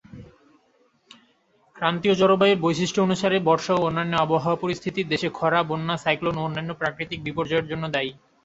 ক্রান্তীয় জলবায়ুর বৈশিষ্ট্য অনুসারেই বর্ষা ও অন্যান্য আবহাওয়া পরিস্থিতি দেশে খরা, বন্যা, সাইক্লোন ও অন্যান্য প্রাকৃতিক বিপর্যয়ের জন্য দায়ী।